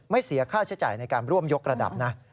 เสียค่าใช้จ่ายในการร่วมยกระดับนะ